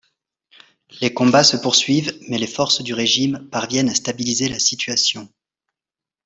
Les combats se poursuivent, mais les forces du régime parviennent à stabiliser la situation.